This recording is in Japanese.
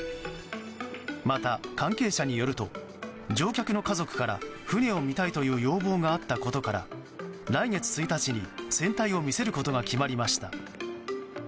また、関係者によると乗客の家族から船を見たいという要望があったことから来月１日に船体を見せることが決まりました。